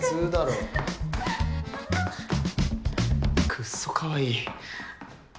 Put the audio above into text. くっそかわいい。